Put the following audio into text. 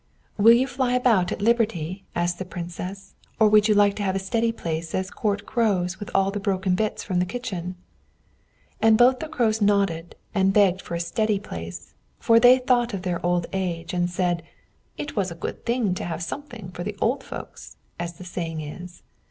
"Will you fly about at liberty?" asked the Princess; "or would you like to have a steady place as court Crows with all the broken bits from the kitchen?" And both the Crows nodded, and begged for a steady place; for they thought of their old age, and said "it was a good thing to have something for the old folks," as the saying is.